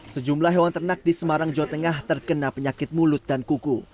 sejumlah hewan ternak di semarang jawa tengah terkena penyakit mulut dan kuku